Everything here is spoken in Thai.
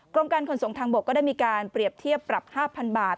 กรมการขนส่งทางบกก็ได้มีการเปรียบเทียบปรับ๕๐๐บาท